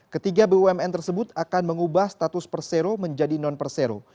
ketiga bumn tersebut akan mengubah status persero menjadi non persero